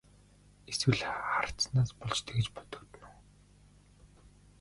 Эсвэл хардсанаас болж тэгж бодогдоно уу?